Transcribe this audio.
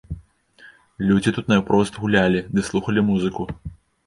Людзі тут наўпрост гулялі ды слухалі музыку.